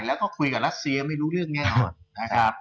แล้วก็คุยกับรัสเซียไม่รู้เรื่องแน่นอนนะครับ